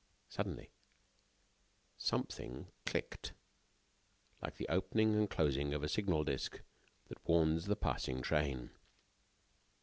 Suddenly, something clicked, like the opening and closing of a signal disc that warns the passing train.